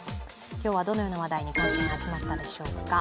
今日はどのような話題に関心が集まったでしょうか。